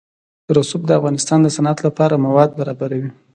رسوب د افغانستان د صنعت لپاره مواد برابروي.